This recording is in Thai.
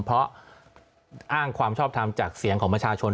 เพราะอ้างความชอบทำจากเสียงของประชาชน